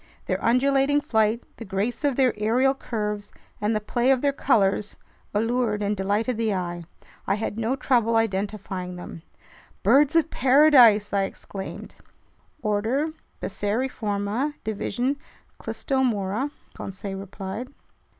Their undulating flight, the grace of their aerial curves, and the play of their colors allured and delighted the eye. I had no trouble identifying them. "Birds of paradise!" I exclaimed. "Order Passeriforma, division Clystomora," Conseil replied.